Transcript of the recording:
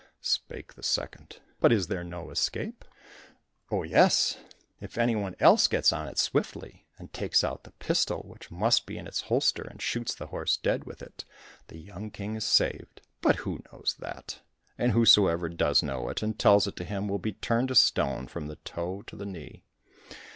Spake the second, "But is there no escape?" "Oh, yes, if any one else gets on it swiftly, and takes out the pistol which must be in its holster, and shoots the horse dead with it, the young King is saved. But who knows that? And whosoever does know it, and tells it to him, will be turned to stone from the toe to the knee."